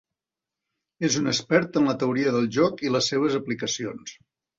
És un expert en la teoria del joc i les seves aplicacions.